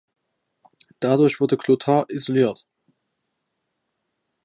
Dadurch wurde Chlothar isoliert.